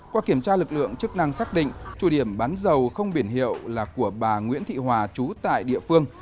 qua kiểm tra lực lượng chức năng xác định chủ điểm bán dầu không biển hiệu là của bà nguyễn thị hòa trú tại địa phương